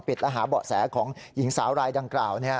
ปิดอาหารเหมาะแสของหญิงสาวรายดังกล่าว